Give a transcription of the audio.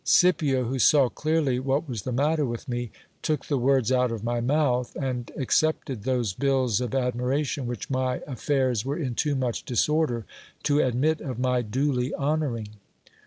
Scipio, who saw clearly what was the matter with me, took the words out of my mouth, and accepted those bills of admiration which my affairs were in too much disorder to admit of my duly honouring.